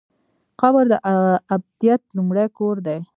قبر د ابدیت لومړی کور دی؟